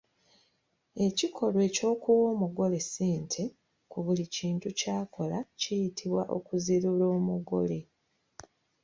Ekikolwa eky'okuwa omugole ssente ku buli kintu ky'akola kiyitibwa okuzirula omugole.